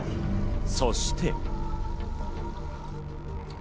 そして。